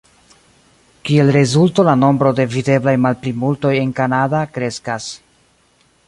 Kiel rezulto la nombro de videblaj malplimultoj en Kanada kreskas.